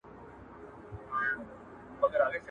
زه بايد کښېناستل وکړم.